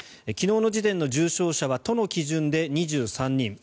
昨日の時点の重症者は都の基準で２３人。